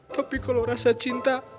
tapi kalau rasa cinta